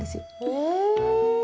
へえ。